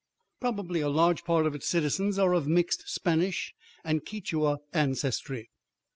Probably a large part of its citizens are of mixed Spanish and Quichua ancestry.